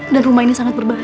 dan rumah ini sangat berbahaya